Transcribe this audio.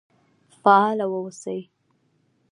فعال و اوسئ